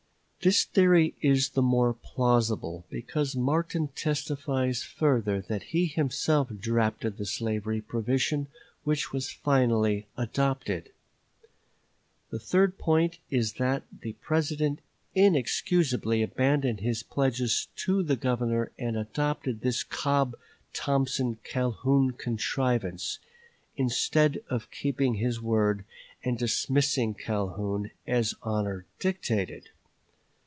This theory is the more plausible because Martin testifies further that he himself drafted the slavery provision which was finally adopted. The third point is that the President inexcusably abandoned his pledges to the Governor and adopted this Cobb Thompson Calhoun contrivance, instead of keeping his word and dismissing Calhoun, as honor dictated.